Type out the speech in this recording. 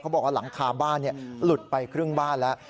บอกว่าหลังคาบ้านหลุดไปครึ่งบ้านแล้ว